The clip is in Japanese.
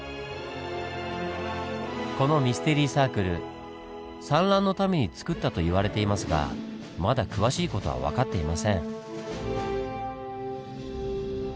このミステリーサークル産卵のために作ったと言われていますがまだ詳しい事は分かっていません。